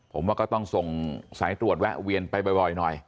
ผมว่าก็ต้องส่งสายตรวจแวะเวียนไปบ่อยหน่อย